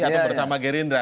atau bersama gerindra